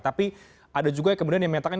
tapi ada juga yang kemudian yang menyatakan